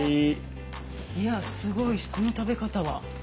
いやすごいこの食べ方は。